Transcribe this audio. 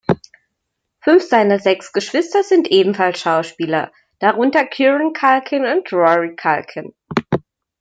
Fünf seiner sechs Geschwister sind ebenfalls Schauspieler, darunter Kieran Culkin und Rory Culkin.